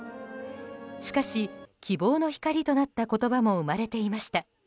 しかし、希望の光となった言葉も生まれていました。